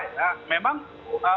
nah memang pemerintah indonesia